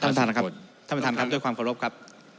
ท่านประธานครับท่านประธานครับด้วยความเคารพครับ